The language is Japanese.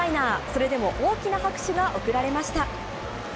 それでも大きな拍手が送られました。